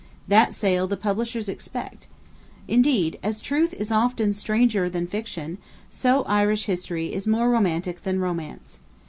That sale the Publishers expect. Indeed, as truth is often stranger than fiction, so Irish history is more romantic than romance.